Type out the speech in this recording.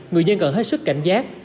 người dân cần hết sức cảnh giác